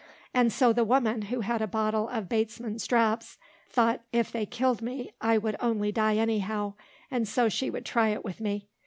And so the woman, who had a bottle of Batesman's draps, thought if they killed me, I would only die any how, and so she would try it with me.